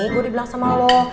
gue udah bilang sama lo